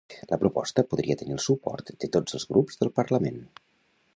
La proposta podria tenir el suport de tots els grups del parlament